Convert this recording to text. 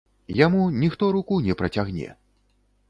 Яму ніхто руку не працягне.